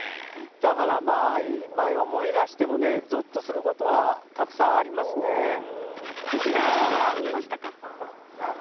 だからまあ、今思い出してもぞっとすることはたくさんありまクジラは見ましたか？